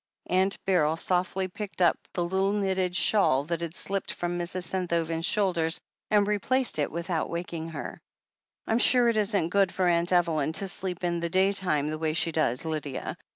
Aimt Beryl softly picked up the little knitted shawl that had slipped from Mrs. Senthoven's shoulders and replaced it without waking her. "I'm sure it isn't good for Aunt Evelyn to sleep in the day time the way she does, Lydia.